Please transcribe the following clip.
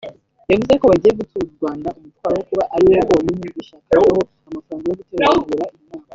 yavuze ko bagiye gutura u Rwanda umutwaro wo kuba ari rwo rwonyine rwishakagaho amafaranga yo gutegura iyi nama